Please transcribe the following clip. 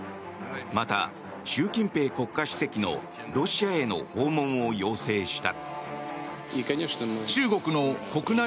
また、習近平国家主席のロシアへの訪問を要請した。